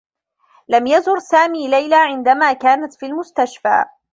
لم يزر سامي ليلى عندما كانت في المستشفى.